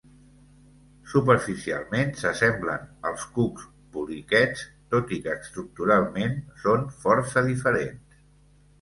Superficialment s'assemblen als cucs poliquets tot i que estructuralment són força diferents.